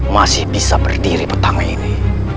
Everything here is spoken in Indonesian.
masih bisa berdiri petang ini